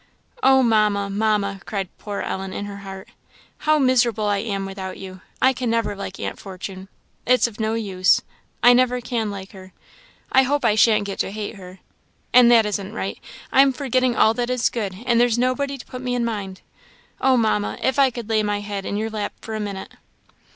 "Oh, Mamma! Mamma!" cried poor Ellen, in her heart, "how miserable I am without you! I never can like Aunt Fortune it's of no use I never can like her; I hope I shan't get to hate her! and that isn't right. I am forgetting all that is good, and there's nobody to put me in mind. Oh, Mamma! if I could lay my head in your lap for a minute!"